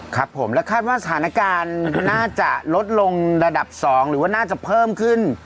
ครับผมและคาดว่าสถานการณ์น่าจะลดลงระดับ๒หรือว่าน่าจะเพิ่มขึ้น